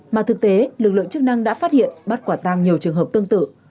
mà thực tế lực lượng chức năng đã phát hiện bắt quả tăng nhiều trường hợp tương tự